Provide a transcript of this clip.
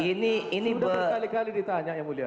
sudah diberkaliakan ditanya ya mulia